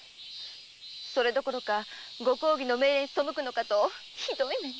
それどころか「ご公儀の命令に背くのか」とひどい目に！